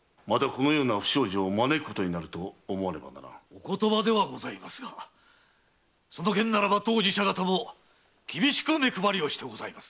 お言葉ではございますがその件ならば当寺社方も厳しく目配りをしてございます。